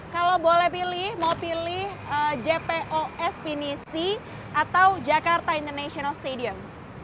kalau boleh pilih mau pilih jpos pinisi atau jakarta international stadium